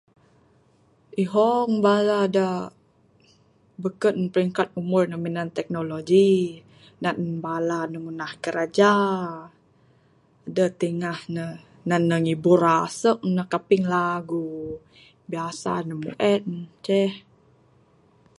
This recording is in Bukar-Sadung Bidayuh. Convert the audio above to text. Ihong bala da beken peringkat umur ne minan teknologi nan bala ne ngunah kraja deh tingah ne nan ne ngibur aseng nan kaping lagu biasa ne meng en ceh.